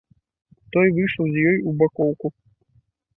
Той выйшаў з ёю ў бакоўку.